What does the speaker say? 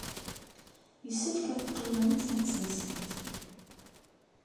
Yessefk ad teqqimemt ad tensemt.